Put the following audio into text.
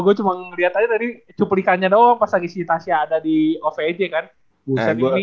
gue cuma ngeliat aja tadi cuplikannya doang pas lagi si natasha ada di ovj kan